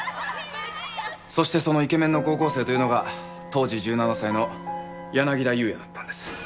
そしてそのイケメンの高校生というのが当時１７歳の柳田裕也だったんです。